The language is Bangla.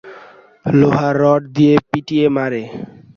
লোহার রড দিয়ে পিটিয়ে মারে।